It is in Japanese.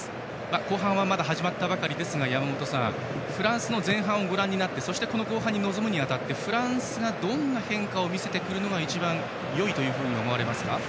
後半まだ始まったばかりですが山本さん、フランスの前半をご覧になってそして、後半に臨むにあたりフランスがどんな変化を見せてくるのが一番よいと思いますか？